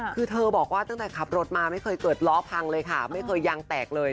คือเธอบอกว่าตั้งแต่ขับรถมาไม่เคยเกิดล้อพังเลยค่ะไม่เคยยางแตกเลย